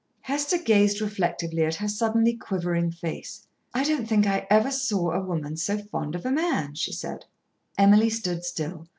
Hester gazed reflectively at her suddenly quivering face. "I don't think I ever saw a woman so fond of a man," she said. Emily stood still.